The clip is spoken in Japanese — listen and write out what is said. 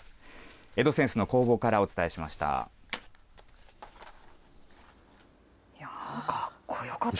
江戸扇子の工房からお伝えしました。